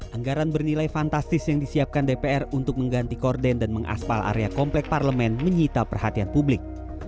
anggaran bernilai fantastis yang disiapkan dpr untuk mengganti korden dan mengaspal area komplek parlemen menyita perhatian publik